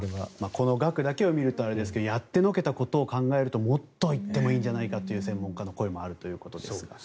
この額だけを見るとあれですがやってのけたことを考えるともっといってもいいんじゃないかという専門家の声もあるということですが。